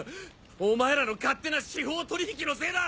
お前らの勝手な司法取引のせいだ！